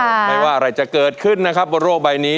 ไม่ว่าอะไรจะเกิดขึ้นนะครับบนโลกใบนี้